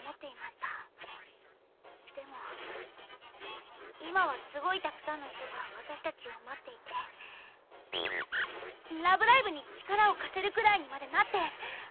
でも今はすごいたくさんの人が私たちを待っていてラブライブに力を貸せるくらいにまでなって。